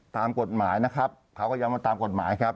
ตามกฎหมายนะครับเขาก็ย้ำว่าตามกฎหมายครับ